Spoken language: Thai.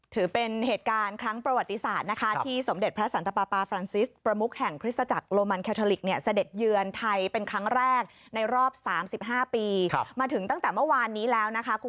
ถือเป็นเหตุการณ์ครั้งประวัติศาสตร์นะคะที่สมเด็จพระสันตปาปาฟรังซิสประมุกแห่งคริสตจักรโลมันแคทอลิกเนี่ยเสด็จเยือนไทยเป็นครั้งแรกในรอบ๓๕ปีมาถึงตั้งแต่เมื่อวานนี้แล้วนะคะ